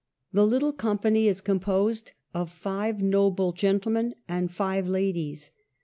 The little company is composed of five noble gentlemen and five ladies.